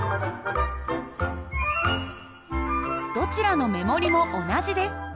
どちらの目盛りも同じです。